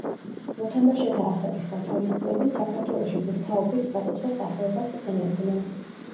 მოთამაშეთა ასაკის გათვალისწინებით საქართველოში ბურთაობის სხვადასხვა სახეობას იყენებდნენ.